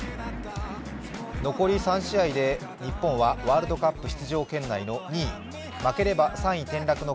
残り３試合で日本はワールドカップ出場圏内の２位。